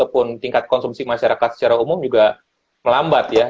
walaupun tingkat konsumsi masyarakat secara umum juga melambat ya